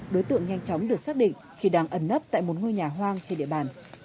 đối tượng nhanh chóng được xác định khi đang ẩn nấp tại một ngôi nhà hoang trên địa bàn